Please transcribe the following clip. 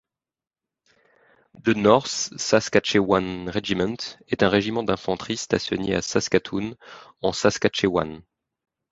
The North Saskatchewan Regiment est un régiment d'infanterie stationné à Saskatoon en Saskatchewan.